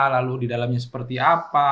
lalu di dalamnya seperti apa